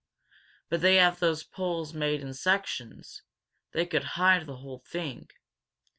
But they have those poles made in sections they could hide the whole thing.